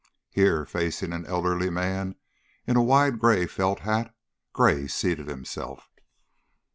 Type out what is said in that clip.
Here, facing an elderly man in a wide gray felt hat, Gray seated himself.